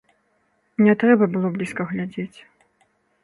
Не трэба было блізка глядзець.